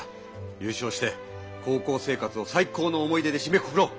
ゆうしょうして高校生活を最高の思い出でしめくくろう！